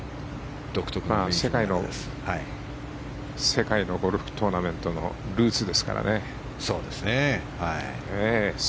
世界のゴルフトーナメントのルーツですからね。